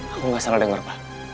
aku nggak salah dengar pak